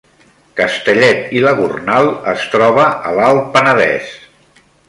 Castellet i la Gornal es troba a l’Alt Penedès